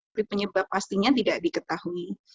tapi penyebab pastinya tidak diketahui